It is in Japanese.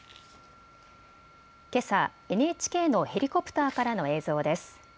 けさ、ＮＨＫのヘリコプターからの映像です。